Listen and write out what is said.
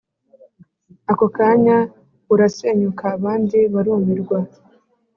akokanya urasenyuka abandi barumirwa